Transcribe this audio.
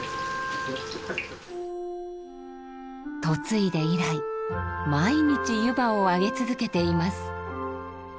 嫁いで以来毎日湯波を揚げ続けています。